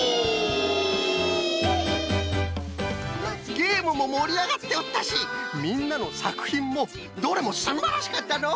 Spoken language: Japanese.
ゲームももりあがっておったしみんなのさくひんもどれもすんばらしかったのう！